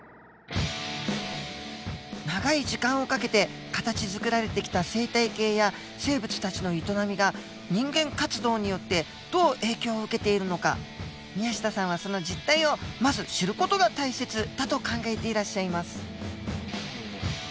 長い時間をかけて形づくられてきた生態系や生物たちの営みが人間活動によってどう影響を受けているのか宮下さんはその実態をまず知る事が大切だと考えていらっしゃいます。